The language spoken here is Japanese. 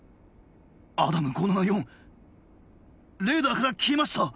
アダム５７４レーダーから消えました